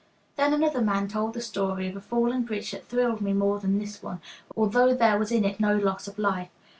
Then another man told the story of a falling bridge that thrilled me more than this one, although there was in it no loss of life.